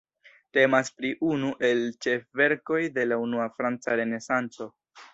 Temas pri unu el ĉefverkoj de la unua franca Renesanco.